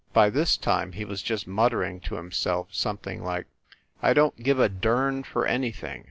By this time he was just mut tering to himself something like "I don t give a durn for anything.